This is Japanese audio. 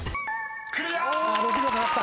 ［クリア！］